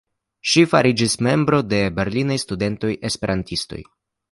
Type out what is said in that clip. Ŝi fariĝis membro de Berlinaj Studentoj-Esperantistoj.